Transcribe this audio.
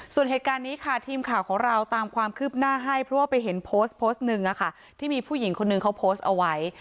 ส่วนเหตุการณ์นี้ค่ะทีมข่าวของเราตามความคืบหน้าให้เพราะว่าไปเห็นโพสต์โพสต์หนึ่งที่มีผู้หญิงคนนึงเขาโพสต์เอาไว้